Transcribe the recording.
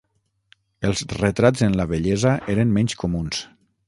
Els retrats en la vellesa eren menys comuns.